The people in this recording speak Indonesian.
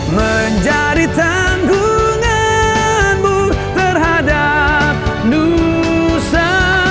menjadi tanggunganmu terhadap nusa